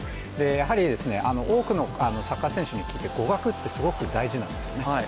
やはり多くのサッカー選手に聞いて語学って、すごく大事なんですね。